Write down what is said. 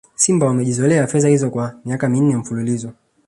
Simba wamejizolea fedha hizo kwa miaka minne mfululizo